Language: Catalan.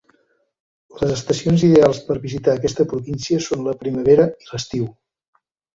Les estacions ideals per visitar aquesta província són la primavera i l'estiu.